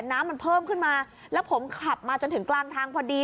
น้ำมันเพิ่มขึ้นมาแล้วผมขับมาจนถึงกลางทางพอดี